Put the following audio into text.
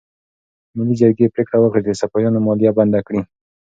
ملي جرګې پریکړه وکړه چې د صفویانو مالیه بنده کړي.